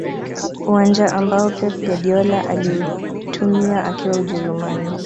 uwanja ambao pep guardiola aliutumia akiwa ujerumani